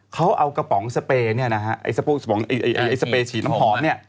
เขาเอากระป๋องสเปย์เนี่ยนะฮะไอ้สเปรยฉีดน้ำหอมเนี่ย